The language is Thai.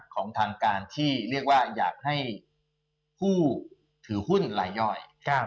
ของทางการที่เรียกว่าอยากให้ผู้ถือหุ้นรายย่อย